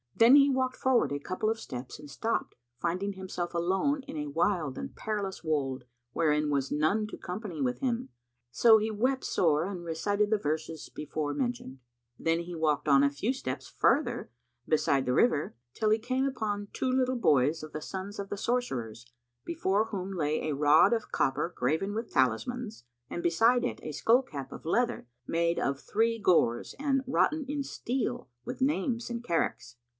Then he walked forward a couple of steps and stopped finding himself alone in a wild and perilous wold wherein was none to company with him, so he wept sore and recited the verses before mentioned. Then he walked on a few steps farther beside the river, till he came upon two little boys of the sons of the sorcerers, before whom lay a rod of copper graven with talismans, and beside it a skull cap[FN#162] of leather, made of three gores and wroughten in steel with names and characts.